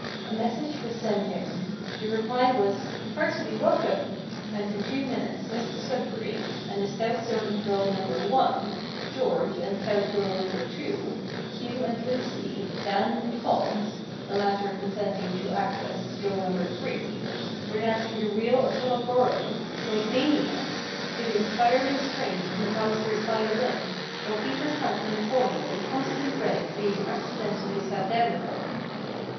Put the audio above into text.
A message was sent in. The reply was, "heartily welcome!" and in two minutes Mr Sudberry and stout servant girl Number 1, George and stout girl Number 2, Hugh and Lucy, Dan and Hobbs, (the latter consenting to act as girl Number 3), were dancing the Reel o' Tullochgorum like maniacs, to the inspiring strains of McAllister's violin, while Peter sat in a corner in constant dread of being accidentally sat down upon.